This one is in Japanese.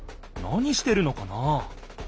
何してるのかな？